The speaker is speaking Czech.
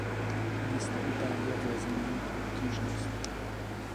Mistr Itálie v lezení na obtížnost.